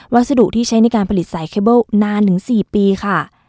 วัสดุที่ใช้ในการผลิตสายเคเบิ้ลนานถึง๔ปีค่ะ